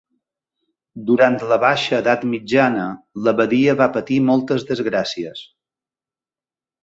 Durant la baixa edat mitjana, l'abadia va patir moltes desgràcies.